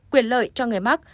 quyền lợi cho người mắc